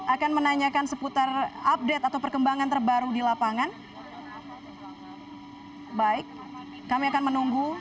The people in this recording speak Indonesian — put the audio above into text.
akan menanyakan seputar update atau perkembangan terbaru di lapangan baik kami akan menunggu